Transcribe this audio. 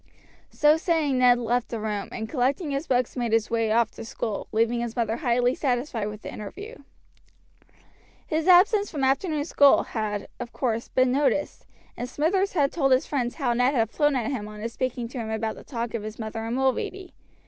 So saying Ned left the room, and collecting his books made his way off to school, leaving his mother highly satisfied with the interview. His absence from afternoon school had, of course, been noticed, and Smithers had told his friends how Ned had flown at him on his speaking to him about the talk of his mother and Mulready.